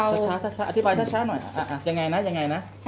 สักช้าสักช้าอธิบายสักช้าหน่อยอ่ะอ่ะยังไงน่ะยังไงน่ะ